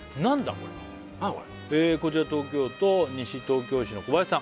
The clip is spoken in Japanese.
これこちら東京都西東京市の小林さん